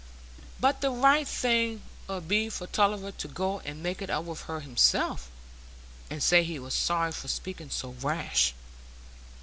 "But the right thing 'ud be for Tulliver to go and make it up with her himself, and say he was sorry for speaking so rash.